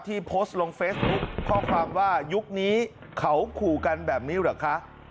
โพสต์ลงเฟซบุ๊คข้อความว่ายุคนี้เขาขู่กันแบบนี้เหรอคะ